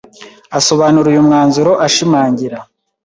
asobanura uyu mwanzuro ashimangira